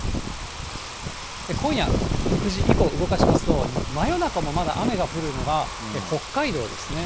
今夜９時以降、動かしますと、真夜中もまだ雨が降るのが、北海道ですね。